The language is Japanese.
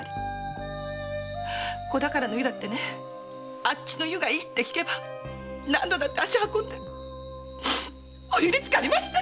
子宝の湯だって「あっちの湯がいい」と聞けば何度だって足を運んでお湯につかりましたよ！